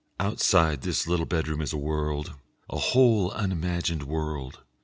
Outside this little bedroom is a world, a whole unimagined world.